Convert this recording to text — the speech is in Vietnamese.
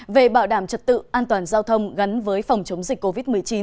về bảo đảm trật tự an toàn giao thông gắn với phòng chống dịch covid một mươi chín